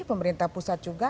pemerintah pusat juga